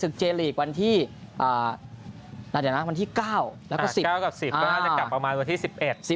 ๙กับ๑๐ก็อาจจะกลับประมาณกว่าที่๑๑